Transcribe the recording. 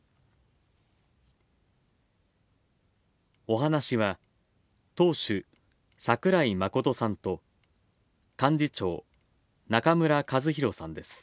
お話しは、党首桜井誠さんと、幹事長中村かずひろさんです。